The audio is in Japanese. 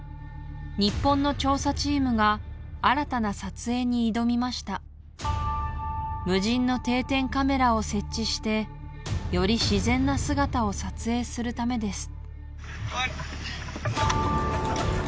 日本の調査チームが新たな撮影に挑みました無人の定点カメラを設置してより自然な姿を撮影するためです